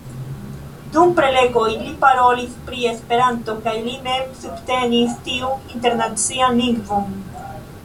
Dum prelegoj, li parolis pri Esperanto kaj li mem subtenis tiun Internacian Lingvon.